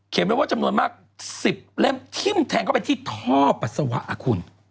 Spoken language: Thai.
ไว้ว่าจำนวนมาก๑๐เล่มทิ้มแทงเข้าไปที่ท่อปัสสาวะคุณ